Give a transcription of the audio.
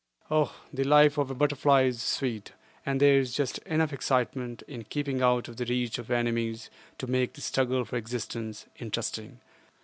Oh! the life of a butterfly is sweet, and there is just enough excitement in keeping out of the reach of enemies to make the struggle for existence interesting.